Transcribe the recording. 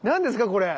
これ。